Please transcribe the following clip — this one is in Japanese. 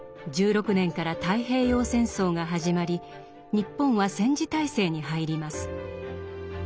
１６年から太平洋戦争が始まり日本は戦時体制に入ります。